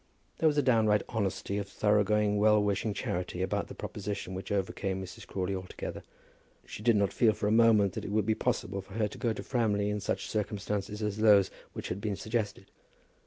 There was a downright honesty of thorough going well wishing charity about the proposition which overcame Mrs. Crawley altogether. She did not feel for a moment that it would be possible for her to go to Framley in such circumstances as those which had been suggested.